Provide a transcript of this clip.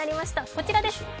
こちらです。